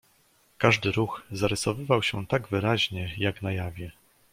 "Każdy ruch zarysowywał się tak wyraźnie, jak na jawie."